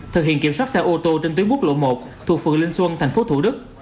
thực hiện kiểm soát xe ô tô trên tuyến quốc lộ một thuộc phường linh xuân tp thủ đức